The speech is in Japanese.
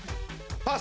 パス。